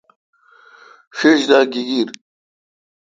ݭݭ دا گیگیر۔